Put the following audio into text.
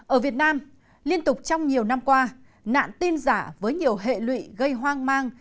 ở việt nam liên tục trong nhiều năm qua nạn tin giả với nhiều hệ lụy gây hoang mang